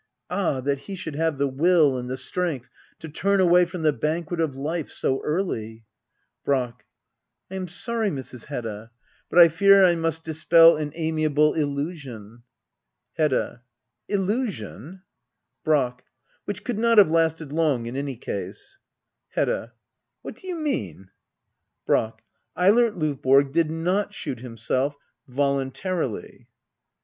Ah I that he should have the will and the strength to turn away from the banquet of life — so early. Brack. I am sorry, Mrs. Hedda, — but I fear I must dis pel an amiable illusion. Hedda. Illusion ? Brack. Which could not have lasted long in any case. Hedda. What do you mean ? Brack. Eilert Lovborg did not shoot himself— volun tarily. Digitized by Google act iv.